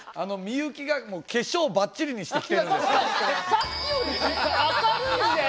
さっきより明るいんだよ！